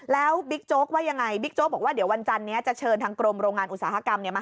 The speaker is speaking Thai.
แล้วว่ายังไง